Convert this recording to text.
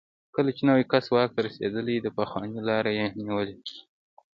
کله چې نوی کس واک ته رسېدلی، د پخواني لار یې نیولې.